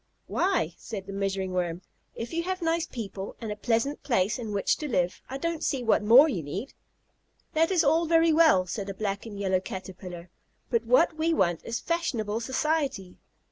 "Why," said the Measuring Worm, "if you have nice people and a pleasant place in which to live, I don't see what more you need." "That is all very well," said a black and yellow Caterpillar, "but what we want is fashionable society.